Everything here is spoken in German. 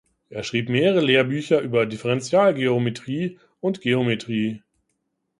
Er schrieb mehrere Lehrbücher über Differentialgeometrie und Geometrie.